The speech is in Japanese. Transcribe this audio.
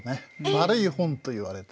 悪い本といわれて。